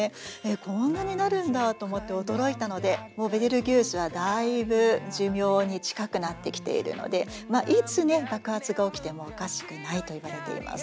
こんなになるんだと思って驚いたのでもうベテルギウスはだいぶ寿命に近くなってきているのでいつね爆発が起きてもおかしくないといわれています。